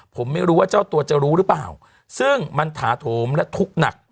ผมไม่รู้ว่าเจ้าตัวจะรู้หรือเปล่าซึ่งมันถาโถมและทุกข์หนัก